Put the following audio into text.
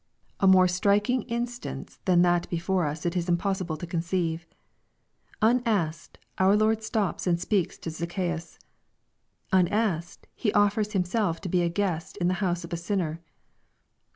A more striking instance than that before us it is impossible to conceive. Unasked, our Lord stops and speaks to Zacchaaus. Unasked^ He offers Himself to be a guest in the house of a sinner.